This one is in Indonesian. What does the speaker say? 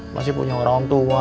masih punya orang tua